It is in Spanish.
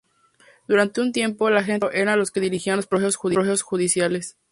Durante un tiempo, la gente del pueblo era los que dirigían los procesos judiciales.